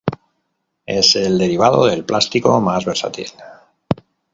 Es el derivado del plástico más versátil.